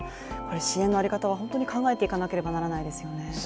支援の在り方は本当に考えていかなければならないですね。